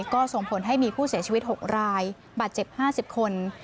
ก็ส่งผลให้มีผู้เสียชีวิต๖รายบาดเจ็บ๕๐คน